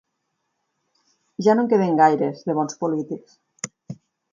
Ja no en queden gaires, de bons polítics.